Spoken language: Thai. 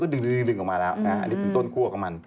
ก็ดึงออกมาแล้ว